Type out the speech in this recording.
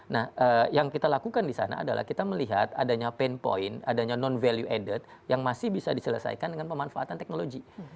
nah yang kita lakukan di sana adalah kita melihat adanya pain point adanya non value added yang masih bisa diselesaikan dengan pemanfaatan teknologi